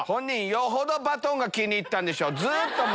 よほどバトンが気に入ったんでしょう。